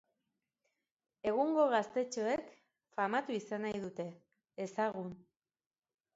Egungo gaztetxoek famatu izan nahi dute, ezagun.